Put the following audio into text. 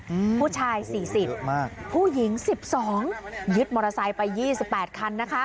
อืมผู้ชายสี่สิบมากผู้หญิงสิบสองยึดมอเตอร์ไซค์ไปยี่สิบแปดคันนะคะ